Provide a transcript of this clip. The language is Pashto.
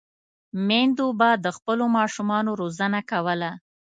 میندو به د خپلو ماشومانو روزنه کوله.